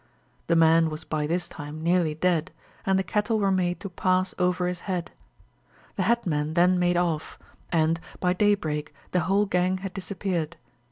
The man was by this time nearly dead, and the cattle were made to pass over his head. The headmen then made off, and, by daybreak, the whole gang had disappeared.